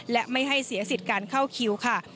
และไม่ให้เสียสิทธิ์การเข้าคิวค่ะ